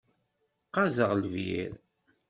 Qqazeɣ lbir.